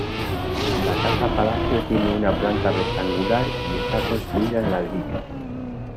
La Casa-Palacio tiene una planta rectangular y está construida en ladrillo.